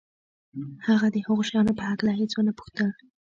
هغه د هغو شیانو په هکله هېڅ ونه پوښتل